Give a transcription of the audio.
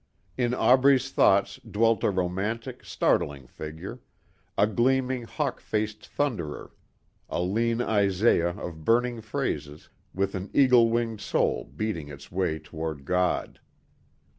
In Aubrey's thoughts dwelt a dramatic, startling figure a gleaming, hawk faced thunderer; a lean Isaiah of burning phrases with an eagle winged soul beating its way toward God.